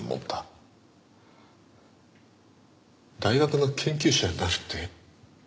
大学の研究者になるって？